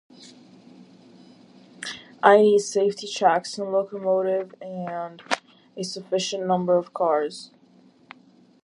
Need safety checks on locomotive and a sufficient number of cars.